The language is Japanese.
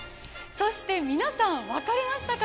そして皆さん、分かりましたか？